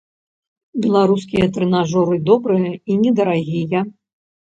Беларускія трэнажоры добрыя і недарагія.